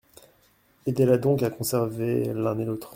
Aidez-la donc à conserver l’un et l’autre.